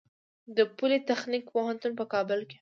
د پولي تخنیک پوهنتون په کابل کې دی